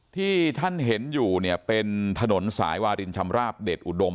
ที่ท่านเห็นอยู่เนี่ยเป็นถนนสายวารินชำราบเดชอุดม